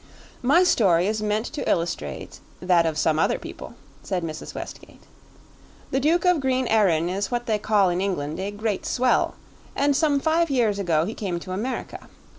"My story is meant to illustrate that of some other people," said Mrs. Westgate. "The Duke of Green Erin is what they call in England a great swell, and some five years ago he came to America.